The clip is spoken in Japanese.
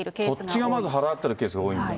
そっちがまず払ってるケースが多いんだ。